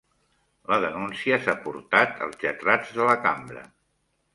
La denúncia s'ha portat als lletrats de la cambra